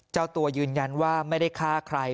เจ้าตัวยืนยันว่าไม่ได้ฆ่าใคร